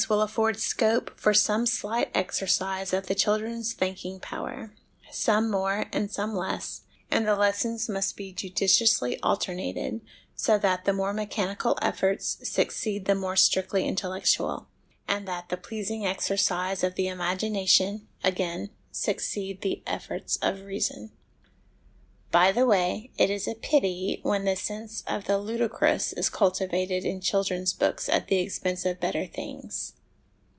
'U afford scope for some slight exercise of the children's thinking power, some more and some less, and the lessons must be judiciously alternated, so that the more mechanical efforts succeed the more strictly intellectual, and that the pleasing exercise of the imagination, again, succeed efforts of reason. By the way, it is a pity when the sense of the ludicrous is cultivated in children's books at the expense of better things.